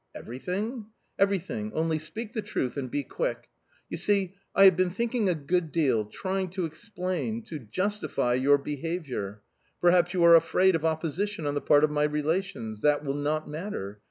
"Everything?"... "Everything... only speak the truth... and be quick... You see, I have been thinking a good deal, trying to explain, to justify, your behaviour. Perhaps you are afraid of opposition on the part of my relations... that will not matter.